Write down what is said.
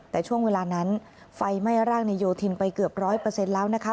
แต่ช่วงเวลานั้นไฟไม่ร่างในโยธินไปเกือบ๑๐๐แล้วนะคะ